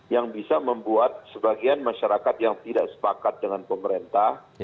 yang bisa membuat sebagian masyarakat yang tidak sepakat dengan pemerintah